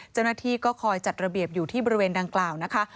เจ้าหน้าที่ก็คอยจัดระเบียบอยู่ที่บริเวณดังกล่าวนะคะ